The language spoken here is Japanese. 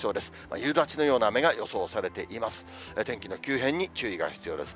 夕立のような雨が予想されています。